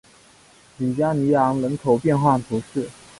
吕加尼昂人口变化图示